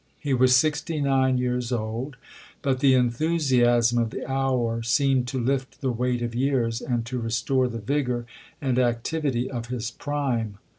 He was sixty nine years old, but the enthusiasm of the hour seemed to lift the weight of years, and to restore the vigor and activity of his prime.